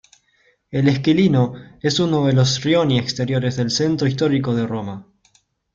El Esquilino es uno de los "rioni" exteriores del centro histórico de Roma.